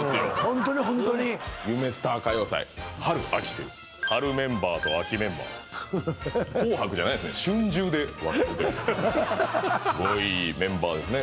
ホントにホントに夢スター歌謡祭春・秋という春メンバーと秋メンバー紅白じゃないんですね春秋で分けるというすごいメンバーですね